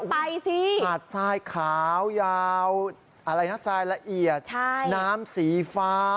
ไปสิหาดทรายขาวยาวอะไรนะทรายละเอียดน้ำสีฟ้า